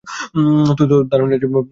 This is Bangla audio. তো, তোর কোনো ধারণাই নেই যে, ভালোবাসা কী?